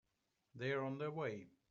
They're on their way.